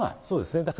そうですね。